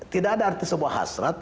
tidak ada arti sebuah hasrat